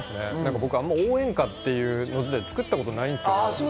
僕、あんまり応援歌っていうのを自体を作ったことがないんですよ。